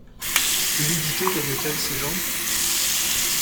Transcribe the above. L'humidité gagne-t-elle ses jambes?